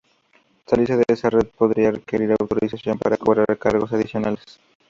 Salirse de esa red podría requerir autorización para cobrar cargos adicionales.